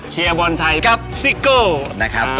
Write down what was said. เชียร์บอลไทยกับซิโก้